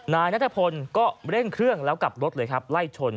นายนัทพลก็เร่งเครื่องแล้วกลับรถเลยครับไล่ชน